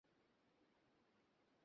সময় নষ্ট করার কথা উঠছে না।